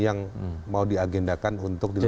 yang mau diagendakan untuk dilakukan